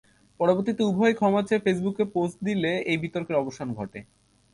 পরবর্তীতে উভয়ই ক্ষমা চেয়ে ফেসবুকে পোস্ট দিলে এই বিতর্কের অবসান ঘটে।